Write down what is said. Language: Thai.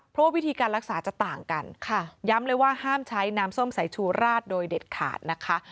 เพราะว่าวิธีการรักษาจะต่างกันย้ำเลยว่าห้ามใช้น้ำส้มสายชูราดโดยเด็ดขาดนะคะ